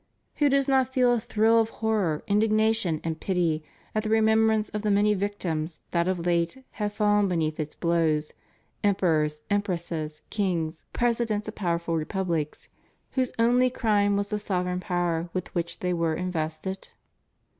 Who does not feel a thrill of horror, indignation, and pity at the remembrance of the many victims that of late have fallen beneath its blows, em perors, empresses, kings, presidents of powerful repub lics, whose only crime was the sovereign power with which they were invested?